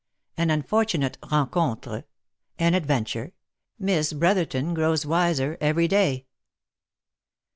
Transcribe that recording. AN UNFORTUNATE RENCONTRE AN ADVENTURE MISS BROTHERTON GROWS WISER EVERY DAY.